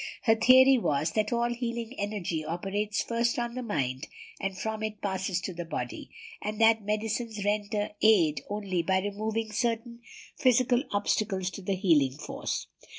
Her theory was, that all healing energy operates first on the mind, and from it passes to the body, and that medicines render aid only by removing certain physical obstacles to the healing force.